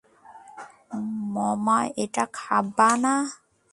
মমা এটা খাবে না।